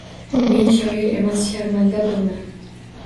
Men shoir emas sharmandadurman